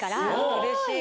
うれしい。